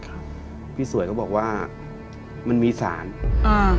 ครับพี่สวยก็บอกว่ามันมีสารอ่า